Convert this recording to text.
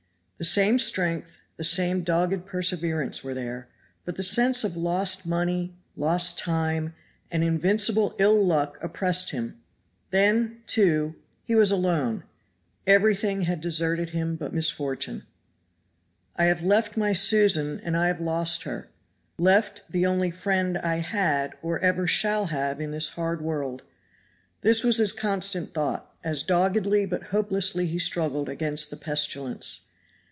The same strength, the same dogged perseverance were there, but the sense of lost money, lost time, and invincible ill luck oppressed him; then, too, he was alone everything had deserted him but misfortune. "I have left my Susan and I have lost her left the only friend I had or ever shall have in this hard world." This was his constant thought, as doggedly but hopelessly he struggled against the pestilence.